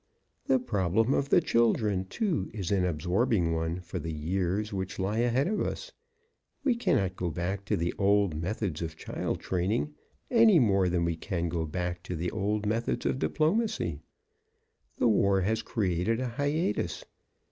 "The problem of the children, too, is an absorbing one for the years which lie ahead of us. We cannot go back to the old methods of child training, any more than we can go back to the old methods of diplomacy. The war has created a hiatus.